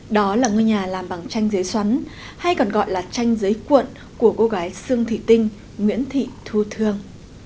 đó là ngôi nhà làm bằng tranh giấy xoắn hay còn gọi là tranh giấy cuộn của cô gái sương thủy tinh nguyễn thị thu thương